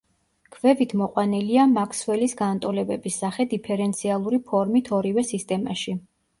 ქვევით მოყვანილია მაქსველის განტოლებების სახე დიფერენციალური ფორმით ორივე სისტემაში.